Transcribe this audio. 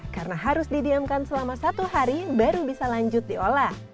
karena harus didiamkan selama satu hari baru bisa lanjut diolah